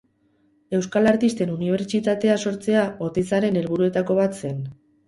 Euskal Artisten Unibertsitatea sortzea Oteizaren helburuetako bat zen.